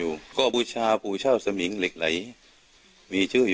แล้วท่านผู้ชมครับบอกว่าตามความเชื่อขายใต้ตัวนะครับ